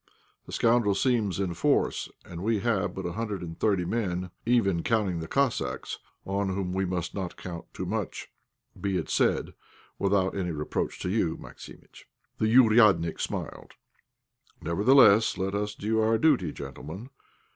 The scoundrel seems in force, and we have but a hundred and thirty men, even counting the Cossacks, on whom we must not count too much, be it said, without any reproach to you, Maximitch." The "ouriadnik" smiled. "Nevertheless, let us do our duty, gentlemen.